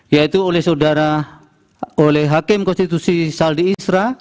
yaitu oleh hakim konstitusi saldi isra